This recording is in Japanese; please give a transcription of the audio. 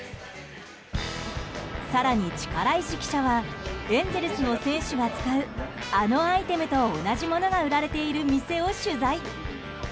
更に、力石記者はエンゼルスの選手が使うあのアイテムと同じものが売られている店を取材。